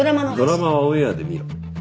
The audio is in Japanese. ドラマはオンエアで見ろ。